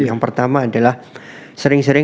yang pertama adalah sering sering memantuk wang